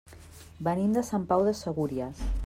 Venim de Sant Pau de Segúries.